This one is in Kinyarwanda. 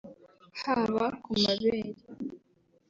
haba ku mabere